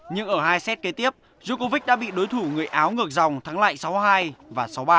nhưng ở hai set kế tiếp djokovic đã bị đối thủ người áo ngược dòng thắng lại sáu hai và sáu ba